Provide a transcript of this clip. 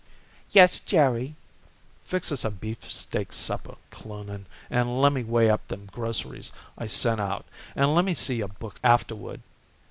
"Yes, Jerry." "Fix us a beefsteak supper, Cloonan, and lemme weigh up them groceries I sent out and lemme see your books afterward.